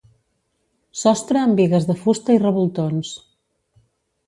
Sostre amb bigues de fusta i revoltons.